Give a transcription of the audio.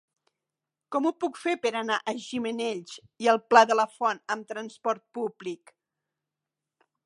Com ho puc fer per anar a Gimenells i el Pla de la Font amb trasport públic?